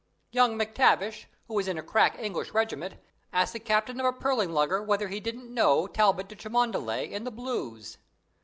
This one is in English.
"Young MacTavish, who is in a crack English regiment, asked the captain of a pearling lugger whether he didn't know Talbot de Cholmondeley in the Blues.